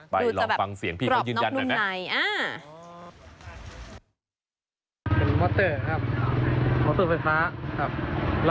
ลองฟังเสียงพี่เขายืนยันหน่อยไหม